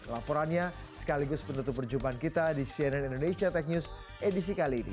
laporannya sekaligus penutup perjumpaan kita di cnn indonesia tech news edisi kali ini